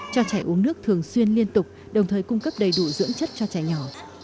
cho trẻ uống nước thường xuyên liên tục đồng thời cung cấp đầy đủ dưỡng chất cho trẻ nhỏ